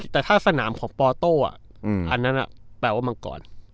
แต่ถ้าสนามของปอโต้อันนั้นแปลว่ามังกร